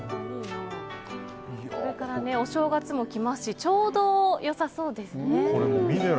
これからお正月も来ますしちょうど良さそうですね。